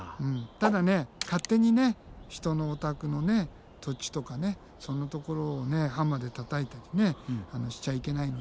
ただね勝手に人のお宅の土地とかそんなところをハンマーでたたいたりねしちゃいけないので。